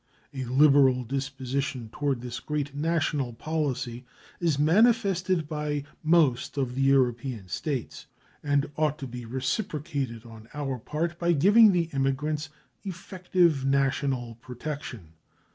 A liberal disposition toward this great national policy is manifested by most of the European States, and ought to be reciprocated on our part by giving the immigrants effective national protection.